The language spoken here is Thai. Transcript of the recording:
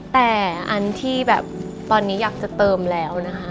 แต่อันที่แบบตอนนี้อยากจะเติมแล้วนะคะ